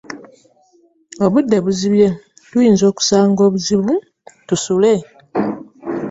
Obudde buzibye tuyinza okusanga obuzibu tusule!